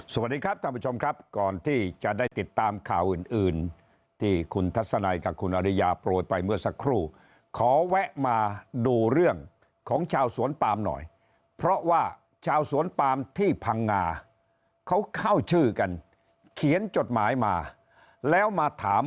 สวัสดีครับท่านผู้ชมครับก่อนที่จะได้ติดตามข่าวอื่นอื่นที่คุณทัศนัยกับคุณอริยาโปรยไปเมื่อสักครู่ขอแวะมาดูเรื่องของชาวสวนปามหน่อยเพราะว่าชาวสวนปามที่พังงาเขาเข้าชื่อกันเขียนจดหมายมาแล้วมาถาม